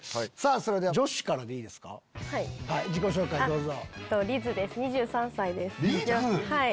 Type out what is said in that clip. それでは女子からでいいですか自己紹介どうぞ。